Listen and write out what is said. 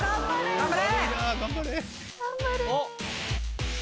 頑張れ！